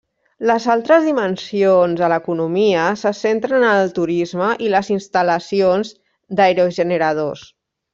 Les altres dimensions de l'economia se centren en el turisme i les instal·lacions d'aerogeneradors.